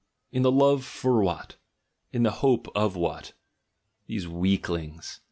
In the love for what? In the hope of what? These weaklings!